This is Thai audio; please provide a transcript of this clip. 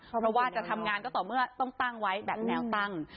เพราะว่าจะทำงานก็ต่อเมื่อต้องตั้งไว้แบบแนวตั้ง